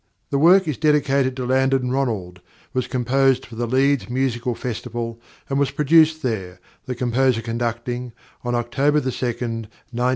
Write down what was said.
The work is dedicated to Landon Ronald, was composed for the Leeds Musical Festival, and was produced there, the composer conducting, on October 2, 1913.